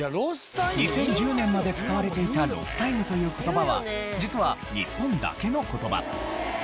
２０１０年まで使われていた「ロスタイム」という言葉は実は日本だけの言葉。